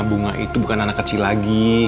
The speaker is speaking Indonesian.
bunga itu bukan anak kecil lagi